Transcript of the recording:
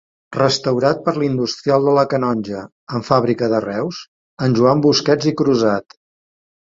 Restaurat per l'industrial de la Canonja, amb fàbrica de Reus, en Joan Busquets i Crusat.